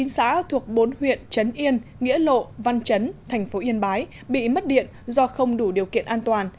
một mươi chín xã thuộc bốn huyện trấn yên nghĩa lộ văn trấn thành phố yên bái bị mất điện do không đủ điều kiện an toàn